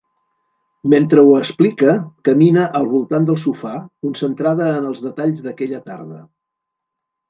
Mentre ho explica, camina al voltant del sofà, concentrada en els detalls d'aquella tarda.